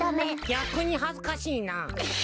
ぎゃくにはずかしいな。